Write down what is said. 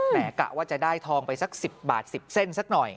กะว่าจะได้ทองไปสัก๑๐บาท๑๐เส้นสักหน่อย